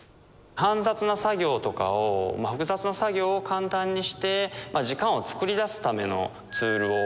煩雑な作業とか複雑な作業を簡単にして時間を作り出すためのツールを提供しています。